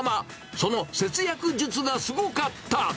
その節約術がすごかった。